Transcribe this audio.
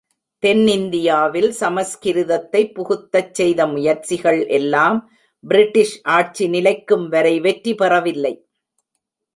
தென்னிந்தியாவில் சமஸ்கிருதத்தைப் புகுத்தச் செய்த முயற்சிகள் எல்லாம், பிரிட்டிஷ் ஆட்சி நிலைக்கும் வரை வெற்றி பெறவில்லை.